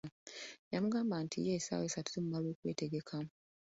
Yamugamba nti ye essaawa essatu zimumala okwetegekka.